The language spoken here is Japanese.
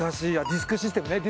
ディスクシステムね。